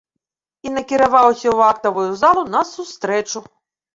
І накіраваўся ў актавую залу на сустрэчу.